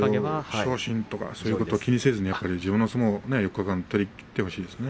昇進とか気にせずに自分の相撲を４日間取りきってほしいですね。